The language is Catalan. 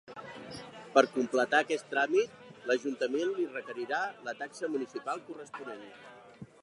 Per completar aquest tràmit l'ajuntament li requerirà la taxa municipal corresponent.